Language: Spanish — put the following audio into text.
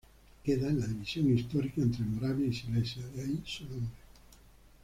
Queda en la división histórica entre Moravia y Silesia, de ahí su nombre.